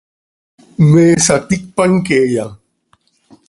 ¿Me saticpan queeya?